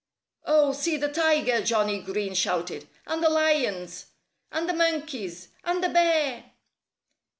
"Oh, see the tiger!" Johnnie Green shouted. "And the lions! And the monkeys! And the bear!"